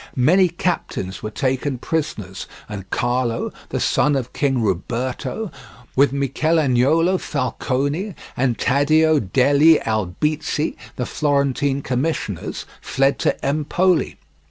Many captains were taken prisoners, and Carlo, the son of King Ruberto, with Michelagnolo Falconi and Taddeo degli Albizzi, the Florentine commissioners, fled to Empoli.